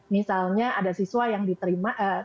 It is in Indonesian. misalnya ada siswa yang diterima